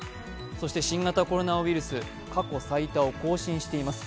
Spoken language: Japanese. そして新型コロナウイルス過去最多を更新しています。